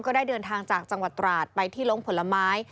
ได้เดินทางจากจังหวัดตราดไปที่ลงผลไม้